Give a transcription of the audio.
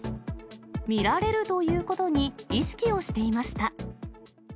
見られるということに意識をしていました。